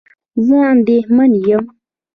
زه اندېښمن یم